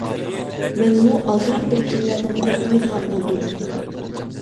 مەنمۇ ئالدىراپ بىر كىملەردىن قورقمايدىغان بولدۇم.